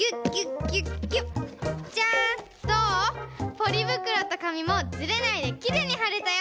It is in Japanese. ポリぶくろとかみもズレないできれいにはれたよ！